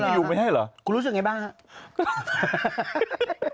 กูรู้สึกยังไงบ้างหรือ